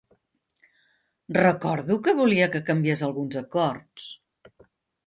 Recordo que volia que canviés alguns acords.